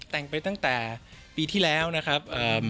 แต่งไปตั้งแต่ปีที่แล้วนะครับ